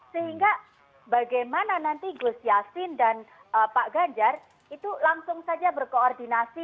sehingga bagaimana nanti gus yassin dan pak ganjar itu langsung saja berkoordinasi